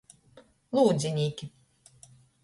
Lūdzinīki.